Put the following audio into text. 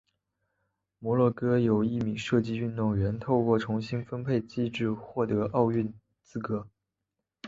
摩洛哥有一名射击运动员透过重新分配机制获得奥运资格。